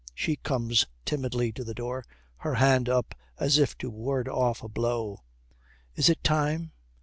She comes timidly to the door, her hand up as if to ward off a blow. 'Is it time?'